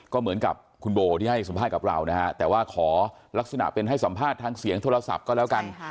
ก็เหมือนกับคุณโบที่ให้สัมภาษณ์กับเรานะฮะแต่ว่าขอลักษณะเป็นให้สัมภาษณ์ทางเสียงโทรศัพท์ก็แล้วกัน